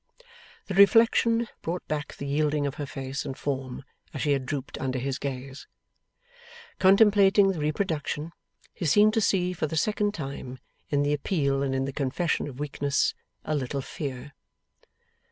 The reflection brought back the yielding of her face and form as she had drooped under his gaze. Contemplating the reproduction, he seemed to see, for the second time, in the appeal and in the confession of weakness, a little fear.